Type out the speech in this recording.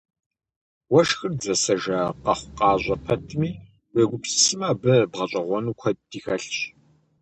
Уэшхыр дызэсэжа къэхъукъащӏэ пэтми, уегупсысмэ, абы бгъэщӏэгъуэну куэди хэлъщ.